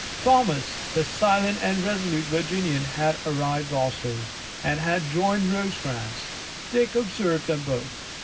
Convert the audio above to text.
Thomas, the silent and resolute Virginian, had arrived also, and had joined Rosecrans. Dick observed them both.